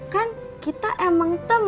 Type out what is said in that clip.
kan kita emang temen